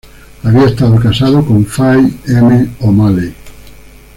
Había estado casado con Fay M. O'Malley.